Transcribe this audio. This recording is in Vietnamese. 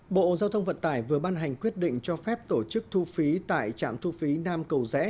bộ giao thông vận tải vừa ban hành quyết định cho phép tổ chức thu phí tại trạm thu phí nam cầu rẽ